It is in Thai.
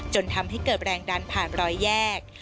จนทำให้เกิดแรงดันผ่านรอยแยก